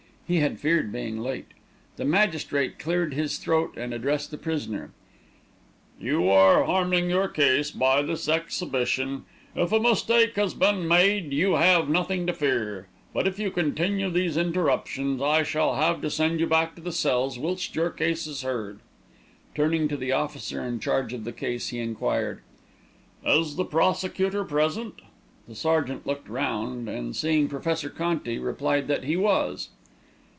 He had feared being late. The magistrate cleared his throat and addressed the prisoner: "You are harming your case by this exhibition. If a mistake has been made you have nothing to fear; but if you continue these interruptions I shall have to send you back to the cells whilst your case is heard." Turning to the officer in charge of the case, he enquired: "Is the prosecutor present?" The sergeant looked round, and, seeing Professor Conti, replied that he was.